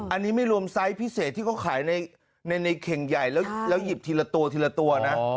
อันนี้ไม่รวมไซส์พิเศษที่เขาขายในเข่งใหญ่แล้วหยิบทีละตัวทีละตัวนะ